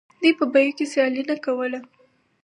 دوی په بیو کې سیالي نه کوله